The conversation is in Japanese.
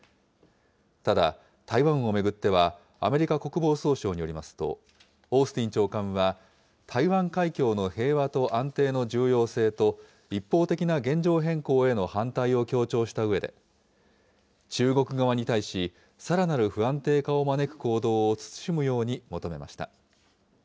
ただ、台湾を巡っては、アメリカ国防総省によりますと、オースティン長官は、台湾海峡の平和と安定の重要性と、一方的な現状変更への反対を強調したうえで、中国側に対し、さらなる不安定化を招く行動を慎むように求めました。